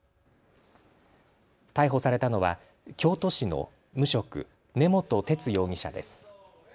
逮捕されたのは京都市の無職、根本哲容疑者です。